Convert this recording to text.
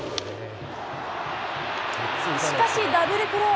しかしダブルプレー。